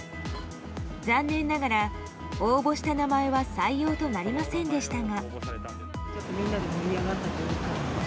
残念ながら応募した名前は採用となりませんでしたが。